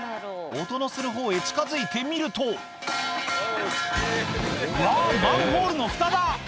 音のするほうへ近づいてみるとうわマンホールのフタだ！